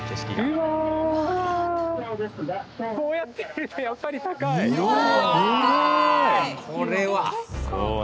こうやって見るとやっぱり高い、すごーい！